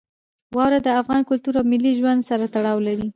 واوره د افغان کلتور او ملي ژوند سره تړاو لري.